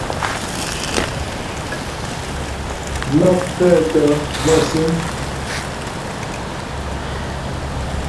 Nə́ pɛ́tə́ mə̂síŋ.